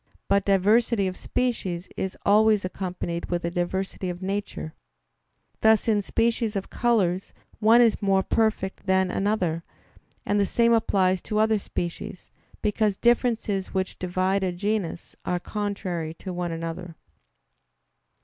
But diversity of species is always accompanied with a diversity of nature; thus in species of colors one is more perfect than another; and the same applies to other species, because differences which divide a genus are contrary to one another.